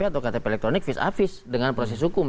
atau ktp elektronik vis a vis dengan proses hukum